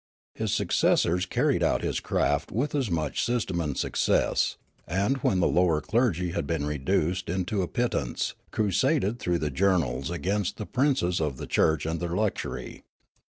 His successors carried out his craft with as much system and success, and, when the lower clergy had been reduced to a pittance, crusaded through the journals against the princes of the church and their luxury.